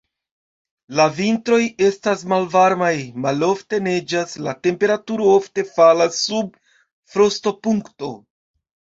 La vintroj estas malvarmaj, malofte neĝas, la temperaturo ofte falas sub frostopunkto.